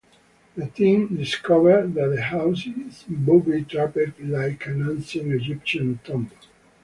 The team discover that the house is booby-trapped like an ancient Egyptian tomb.